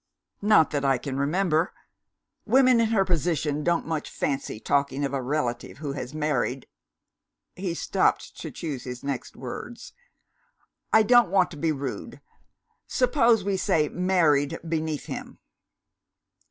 "Not that I can remember. Women in her position don't much fancy talking of a relative who has married" he stopped to choose his next words. "I don't want to be rude; suppose we say married beneath him?"